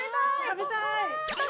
食べたーい！